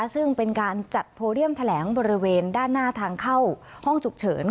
ซึ่งเป็นการจัดโพเดียมแถลงบริเวณด้านหน้าทางเข้าห้องฉุกเฉิน